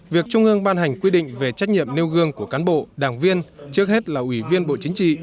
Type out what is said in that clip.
việc trung ương ban hành quy định về trách nhiệm nêu gương của cán bộ đảng viên trước hết là ủy viên bộ chính trị